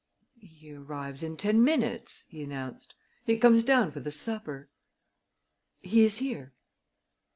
"He arrives in ten minutes," he announced. "He comes down for the supper. He is here."